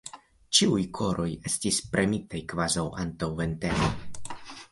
Ĉiuj koroj estis premitaj kvazaŭ antaŭ ventego.